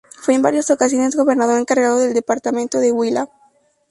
Fue en varias ocasiones gobernador encargado del Departamento del Huila.